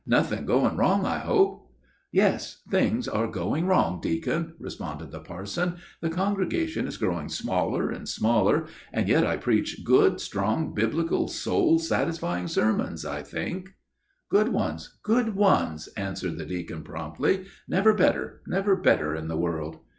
"Nothing going wrong, I hope?" "Yes, things are going wrong, deacon," responded the parson. "The congregation is growing smaller and smaller, and yet I preach good, strong, biblical, soul satisfying sermons, I trust." "Good ones! good ones!" answered the deacon promptly, "never better never better in the world."